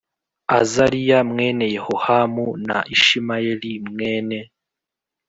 Azariya mwene yehohamu na ishimayeli mwene